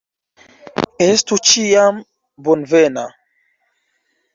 Estu ĉiam bonvena!